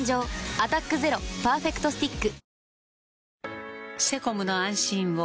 「アタックＺＥＲＯパーフェクトスティック」